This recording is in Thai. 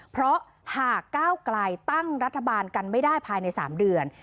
เพราะหากก้าวไกลตั้งรัฐบาลกันไม่ได้ภายใน๓เดือน